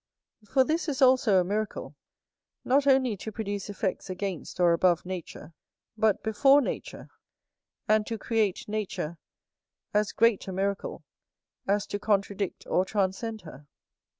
For this is also a miracle; not only to produce effects against or above nature, but before nature; and to create nature, as great a miracle as to contradict or transcend her.